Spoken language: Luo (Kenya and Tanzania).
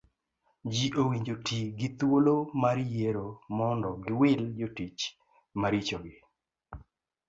Ji owinjo ti gi thuolo mar yiero mondo giwil jotich maricho gi